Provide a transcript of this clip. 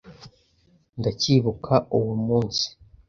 Ndacyibuka uwo munsi.